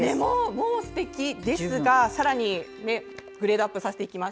もうすてきですがさらにグレードアップさせていきます。